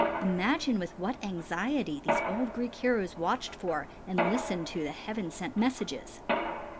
Imagine with what anxiety these old Greek heroes watched for and listened to the heaven sent messages.